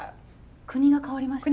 国が変わりました。